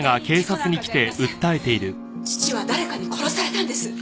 父は誰かに殺されたんです。